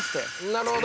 ◆なるほど。